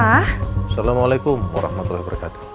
assalamualaikum warahmatullahi wabarakatuh